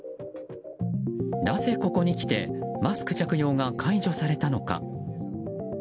なぜ、ここにきてマスク着用が解除されたのか。